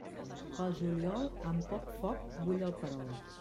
Pel juliol, amb poc foc, bull el perol.